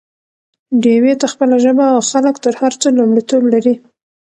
ډيوې ته خپله ژبه او خلک تر هر څه لومړيتوب لري